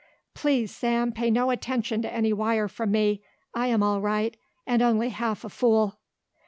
"Please, Sam, pay no attention to any wire from me. I am all right and only half a fool."